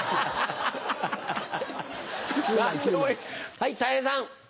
はいたい平さん。